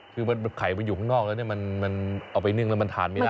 คือไข่มันอยู่ข้างนอกออกไปเนิ่งแล้วมันทานไม่ได้